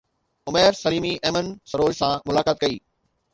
عمير سليمي ايمن سروش سان ملاقات ڪئي